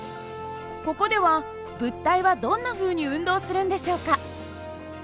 ここでは物体はどんなふうに運動するんでしょうか？